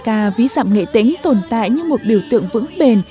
dân ca ví dặm nghệ tính tồn tại như một biểu tượng vững bền